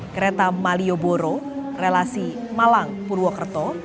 kereta malioboro relasi malang purwokerto